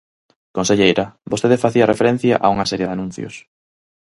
Conselleira, vostede facía referencia a unha serie de anuncios.